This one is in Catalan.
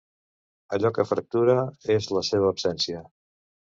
Allò que fractura és la seva absència.